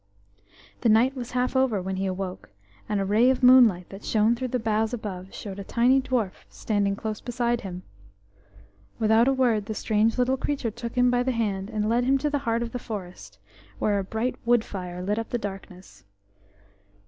The night was half over when he awoke, and a ray of moonlight that shone through the boughs above showed a tiny dwarf standing close beside him. Without a word the strange little creature took him by the hand, and led him to the heart of the forest, where a bright wood fire lit up the darkness.